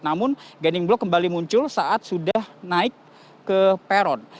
namun guiding block kembali muncul saat sudah naik ke peron